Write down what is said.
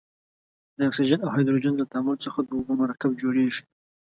د اکسیجن او هایدروجن له تعامل څخه د اوبو مرکب جوړیږي.